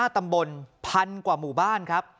๕ตำบลพันกว่าหมู่บ้านครับ